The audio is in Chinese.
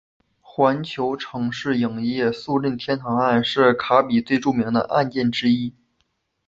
环球城市影业诉任天堂案是卡比最著名的案件之一。